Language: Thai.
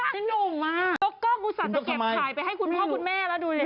สนุกมากก็กล้องอุตส่าห์จะเก็บขายไปให้คุณพ่อคุณแม่แล้วดูดิ